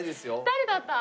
誰だった？